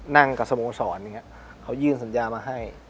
นั่งกับสโมสรเขายื่นสัญญามาให้